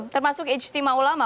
termasuk ijtima ulama